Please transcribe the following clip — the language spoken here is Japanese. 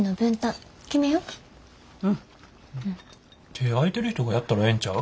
手ぇ空いてる人がやったらええんちゃう？